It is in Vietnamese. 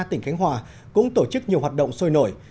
tỉnh khánh hòa cũng tổ chức nhiều hoạt động sôi nổi